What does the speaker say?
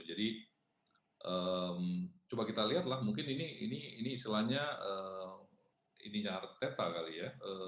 jadi coba kita lihat lah mungkin ini isilahnya ini arteta kali ya